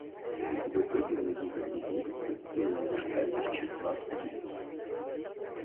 В итоге мы видим единство и универсальность числа «три».